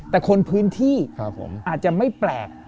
แต่คนพื้นที่อาจจะไม่แปลก